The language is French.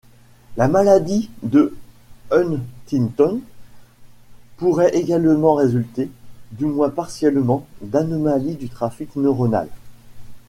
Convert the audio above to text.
La maladie de Huntington pourrait également résulter, du moins partiellement, d’anomalies du trafic neuronal.